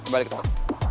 balik ke tempat